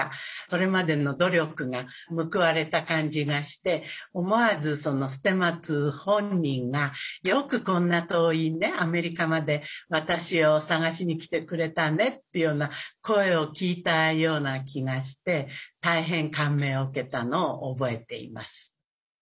それまでの努力が報われた感じがして思わず捨松本人が「よくこんな遠いアメリカまで私を探しに来てくれたね」っていうような声を聞いたような気がして大変感銘を受けたのを覚えています。